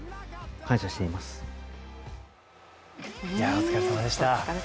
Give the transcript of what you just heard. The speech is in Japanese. お疲れさまでした。